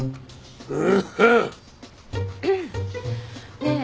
ねえ